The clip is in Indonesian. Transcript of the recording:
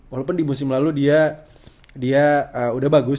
walaupun di musim lalu dia udah bagus